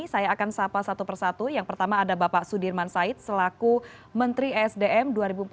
saya akan sapa satu persatu yang pertama ada bapak sudirman said selaku menteri esdm dua ribu empat belas